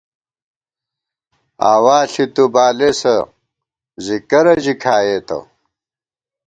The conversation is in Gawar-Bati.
آوا ݪِی تُو بالېسہ، زی کرہ ژی کھایئېتہ